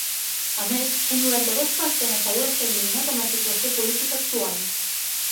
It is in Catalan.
A més, un noranta-dos per cent assegura estar ‘indignat’ amb la situació política actual.